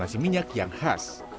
nasi minyak yang khas